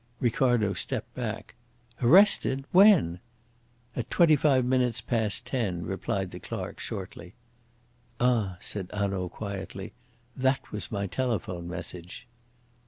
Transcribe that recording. Ricardo stepped back. "Arrested! When?" "At twenty five minutes past ten," replied the clerk shortly. "Ah," said Hanaud quietly. "That was my telephone message."